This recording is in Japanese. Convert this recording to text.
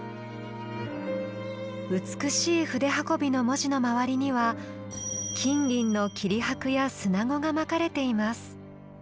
美しい筆運びの文字の周りには金銀の切箔や砂子がまかれています。